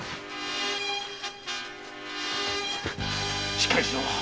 しっかりしろ！